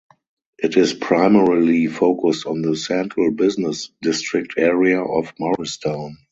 It is primarily focused on the central business district area of Morristown.